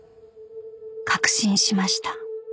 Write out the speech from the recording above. ［確信しました］